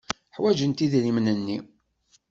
Ḥwajent idrimen-nni.